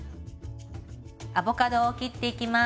アボカドを切っていきます。